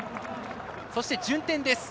そして順天です。